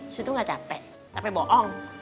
situ gak capek capek bohong